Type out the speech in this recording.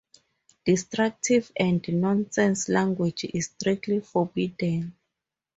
Destructive and nonsense language is strictly forbidden.